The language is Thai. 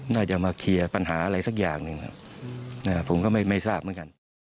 น่าจะมาเคลียร์ปัญหาอะไรสักอย่างหนึ่งผมก็ไม่ทราบเหมือนกัน